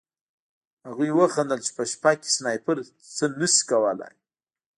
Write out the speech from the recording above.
هغوی وخندل چې په شپه کې سنایپر څه نه شي کولی